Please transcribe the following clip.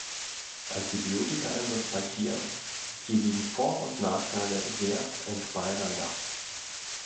Antibiotikaeinsatz bei Tieren hier liegen Vor- und Nachteile sehr eng beieinander.